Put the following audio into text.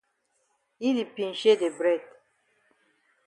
Yi di pinchay de bread.